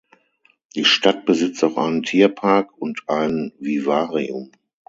Die Stadt besitzt auch einen Tierpark und ein Vivarium.